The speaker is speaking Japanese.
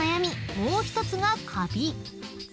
もう一つがカビ］